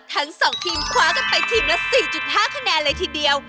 ทั้ง๒ทีมคว้ากันไปทีมละ๔๕คะแนนเลยทีเดียว